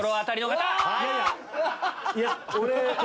いや俺。